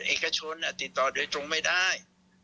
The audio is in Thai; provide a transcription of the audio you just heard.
เอกชนติดต่อโดยตรงไม่ได้